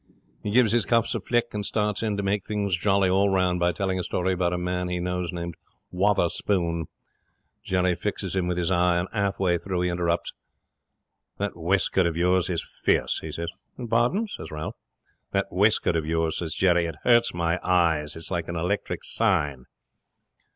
He gives his cuffs a flick, and starts in to make things jolly all round by telling a story about a man he knows named Wotherspoon. Jerry fixes him with his eye, and, half way through, interrupts. '"That waistcoat of yours is fierce," he says. '"Pardon?" says Ralph. '"That waistcoat of yours," says Jerry. "It hurts me eyes. It's like an electric sign."